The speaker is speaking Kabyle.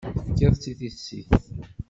Tefkid-tt i tissit.